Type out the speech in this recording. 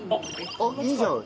あっいいじゃん。